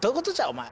お前。